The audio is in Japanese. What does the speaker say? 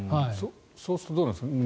そうするとどうなんですか。